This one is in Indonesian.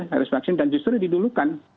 harus vaksin dan justru didulukan